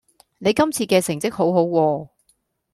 你今次嘅成績好好喎